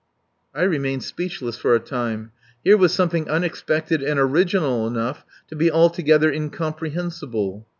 I remained speechless for a time. Here was something unexpected and original enough to be altogether incomprehensible.